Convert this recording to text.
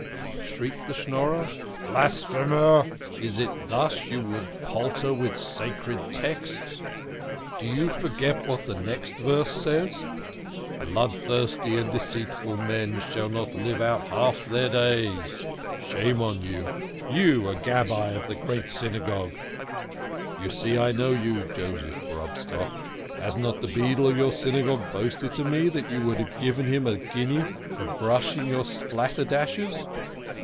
" shrieked the Schnorrer. " Blasphemer ! Is it thus you would palter with the sacred texts ? Do you forget what the next verse says :' Bloodthirsty and deceitful men shall not live out half their days '? Shame on you you a Gabbai (treasurer) of the Great Synagogue. You see I know you, Joseph Grobstock. Has not the beadle of your Synagogue boasted to me that you have given him a guinea for brushing your spatterdashes